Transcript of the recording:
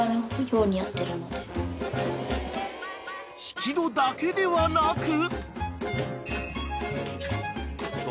［引き戸だけではなく］